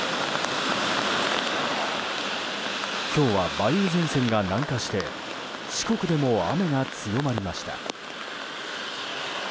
今日は梅雨前線が南下して四国でも雨が強まりました。